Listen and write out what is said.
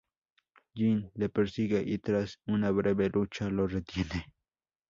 Jin le persigue y tras una breve lucha lo retiene.